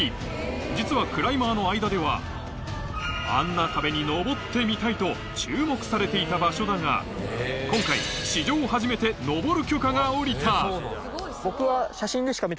実はクライマーの間ではと注目されていた場所だが今回史上初めて登る許可が下りた僕は。